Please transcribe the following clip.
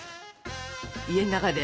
家の中で？